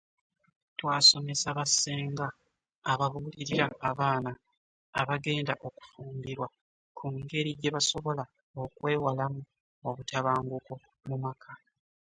Twasomesa bassenga ababuulirira abaana abagenda okufumbirwa ku ngeri gye basobola okwewalamu obutabanguko mu maka.